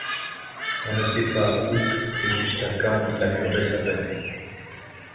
On ne sait pas où et jusqu'à quand il a purgé sa peine.